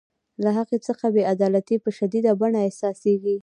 له هغې څخه بې عدالتي په شدیده بڼه احساسیږي.